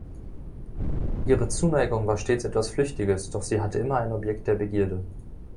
Ihre Zuneigung war stets etwas Flüchtiges, doch sie hatte immer ein Objekt der Begierde.